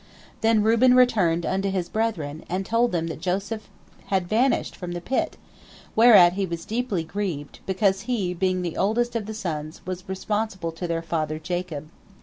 Then Reuben returned unto his brethren, and told them that Joseph bad vanished from the pit, whereat he was deeply grieved, because he, being the oldest of the sons, was responsible to their father Jacob.